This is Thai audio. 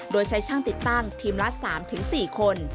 โดยใช้ช่างติดตั้งทีมละ๓๔คน